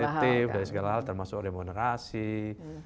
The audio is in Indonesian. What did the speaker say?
kompetitif dari segala hal termasuk remunerasi training nya ya pengembangan